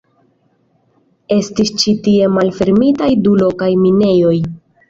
Estis ĉi tie malfermitaj du lokaj minejoj.